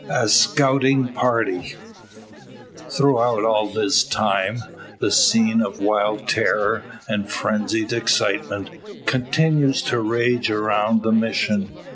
A SCOUTING PARTY. Throughout all this time, the scene of wild terror, and frenzied excitement, continues to rage around the Mission.